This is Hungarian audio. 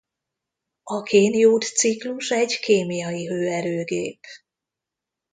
A kén-jód ciklus egy kémiai hőerőgép.